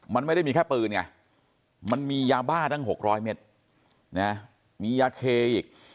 มันไม่ได้มีแค่ปืนไงมันมียาบ้าตั้ง๖๐๐เมตรนะมียาเคอีก